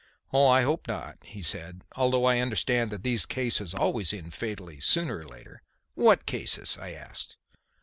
"I hope not," he said; "although I understand that these cases always end fatally sooner or later." "What cases?" I asked.